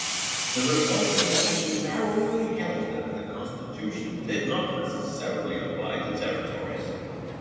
The resulting decision narrowly held that the Constitution did not necessarily apply to territories.